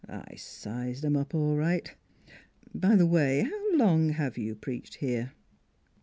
I sized 'em up all right ... By the way, how long have you preached here?